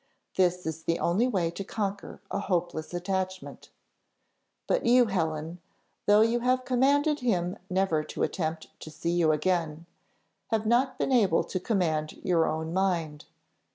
This is the only way to conquer a hopeless attachment. But you, Helen, though you have commanded him never to attempt to see you again, have not been able to command your own mind.